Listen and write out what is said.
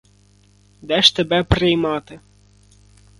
Де ж тебе приймати?